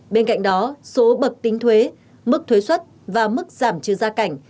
bên cạnh đó số bậc tính thuế mức thuế xuất và mức giảm trưa ra cảnh